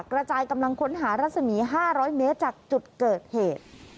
กระจายกำลังค้นหารัศมี๕๐๐เมตรจากจุดเกิดเหตุ